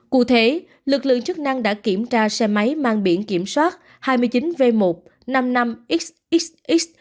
cụ thể lực lượng chức năng đã kiểm tra xe máy mang biển kiểm soát hai mươi chín v một trăm năm mươi năm x